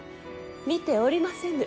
見ておりませぬ。